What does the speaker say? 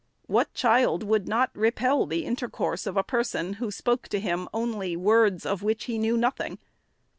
What child would not repel the intercourse of a person, who spoke to him only words of which he knew nothing